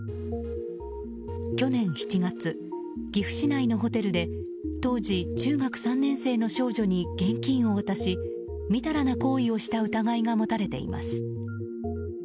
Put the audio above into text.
去年７月、岐阜市内のホテルで当時中学３年生の少女に現金を渡しみだらな行為をした疑いが持たれています。